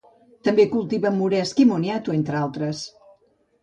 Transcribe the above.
També cultiven moresc i moniato, entre altres.